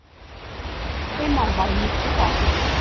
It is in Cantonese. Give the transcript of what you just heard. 希望可以推廣